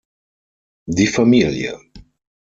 Die Familie!